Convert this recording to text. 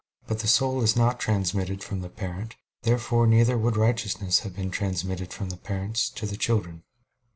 But the soul is not transmitted from the parent. Therefore neither would righteousness have been transmitted from parents, to the children.